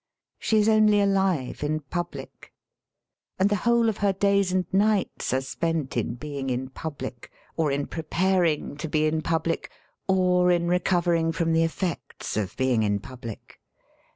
She is only alive in public, and the whole of her days and nights are spent in being in public, or in preparing to be in public, or in recovering from the effects of being in public.